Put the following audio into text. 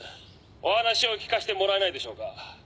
「お話を聞かせてもらえないでしょうか